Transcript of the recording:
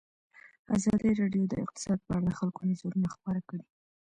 ازادي راډیو د اقتصاد په اړه د خلکو نظرونه خپاره کړي.